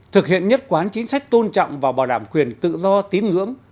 thực hiện nhất quán chính sách tôn trọng và bảo đảm quyền tự do tín ngưỡng